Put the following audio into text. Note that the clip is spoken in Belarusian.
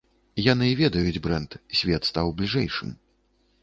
Яны ведаюць брэнд, свет стаў бліжэйшым.